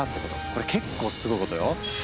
これ結構すごいことよ。